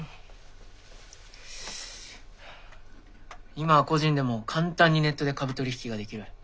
今は個人でも簡単にネットで株取り引きができる。